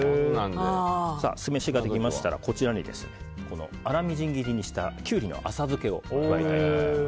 酢飯ができましたら粗みじん切りにしたキュウリの浅漬けを加えていきます。